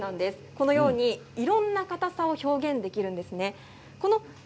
このように、いろんなかたさを表現できるんです。